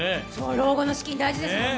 老後の資金大事ですもんね。